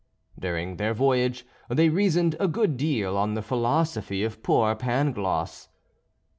During their voyage they reasoned a good deal on the philosophy of poor Pangloss.